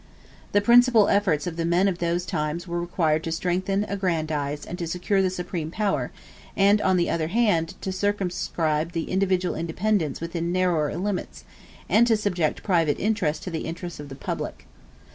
The principal efforts of the men of those times were required to strengthen, aggrandize, and secure the supreme power; and on the other hand, to circumscribe individual independence within narrower limits, and to subject private interests to the interests of the public.